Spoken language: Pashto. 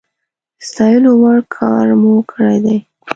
د ستايلو وړ کار مو کړی دی